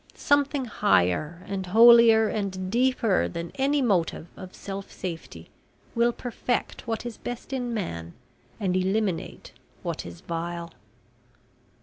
Something higher and holier and deeper than any motive of self safety will perfect what is best in man and eliminate what is vile."